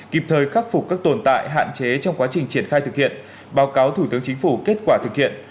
kịp thời khắc phục các tồn tại hạn chế trong quá trình triển khai thực hiện báo cáo thủ tướng chính phủ kết quả thực hiện